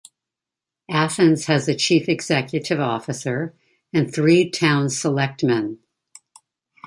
Athens has a chief executive officer and three town selectmen.